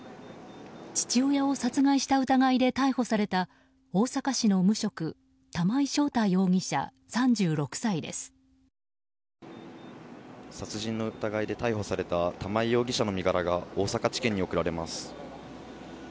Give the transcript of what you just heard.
父親を殺害した疑いで逮捕された大阪市の無職殺人の疑いで逮捕された玉井容疑者の身柄が大阪地検に送られます。